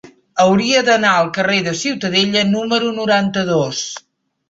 Hauria d'anar al carrer de Ciutadella número noranta-dos.